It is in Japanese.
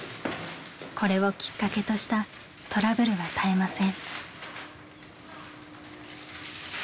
これをきっかけとしたトラブルは絶えません。